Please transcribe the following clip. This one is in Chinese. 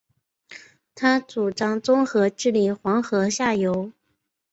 他主张综合治理黄河下游。